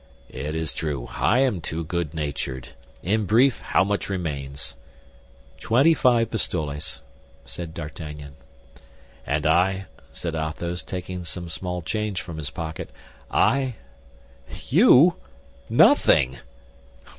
"It is true; I am too good natured. In brief, how much remains?" "Twenty five pistoles," said D'Artagnan. "And I," said Athos, taking some small change from his pocket, "I—" "You? Nothing!"